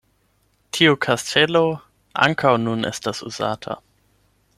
Tiu kastelo ankaŭ nun estas uzata.